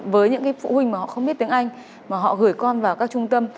với những phụ huynh mà họ không biết tiếng anh mà họ gửi con vào các trung tâm